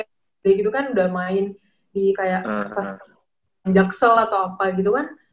jadi gitu kan udah main di kayak pas anjaksel atau apa gitu kan